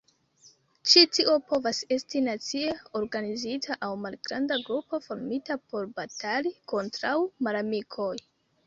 Ĉi tio povas esti nacie organizita aŭ malgranda grupo formita por batali kontraŭ malamikoj.